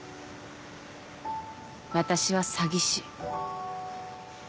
私は詐欺師。